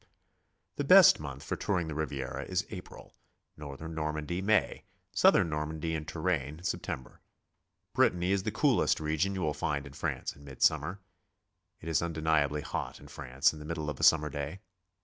The best month for touring the Riviera is April; north ern Normandy, May; southern Normandy and Touraine, September; Brittany is the coolest region you will find in France in mid summer. It is undeniably hot in France in the middle of a summer day.